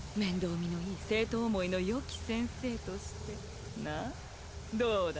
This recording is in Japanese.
見のいい生徒思いの良き先生としてなっどうだ？